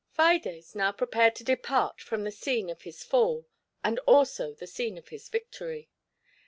Fides now prepared to depart from the scene of his fall, and also the scene of his victory.